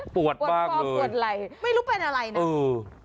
ปวดมากเลยปวดคอปวดไหล่ไม่รู้เป็นอะไรนะอืม